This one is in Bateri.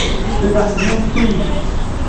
تے کن مھیݜ تھی